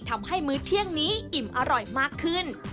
มื้อเที่ยงนี้อิ่มอร่อยมากขึ้น